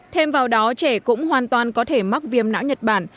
thêm vào đó trẻ cũng hoàn toàn có thể mắc viêm não nhật bản